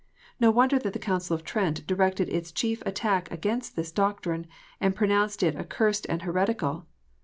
No wonder that the Council of Trent directed its chief attack against this doctrine, and pronounced it accursed and heretical.